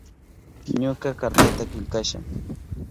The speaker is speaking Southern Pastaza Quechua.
Ñuka kartata killkasha.